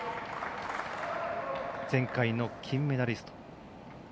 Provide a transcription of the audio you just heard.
前回の金メダリスト。